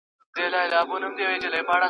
چي ناکس ته یې سپارلې سرداري وي `